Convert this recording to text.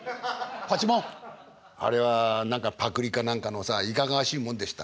あれは何かパクリか何かのさいかがわしいもんでした。